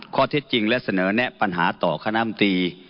ข้อที่จริงและเสนอแน่ปัญหาต่อขนาดน้ำตี